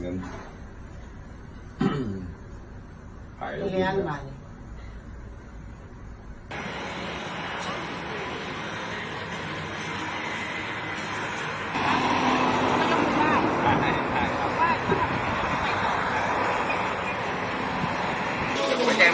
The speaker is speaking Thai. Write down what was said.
สวัสดีครับทุกคน